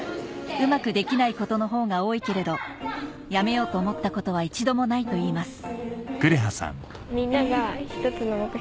うまくできないことのほうが多いけれどやめようと思ったことは一度もないと言います・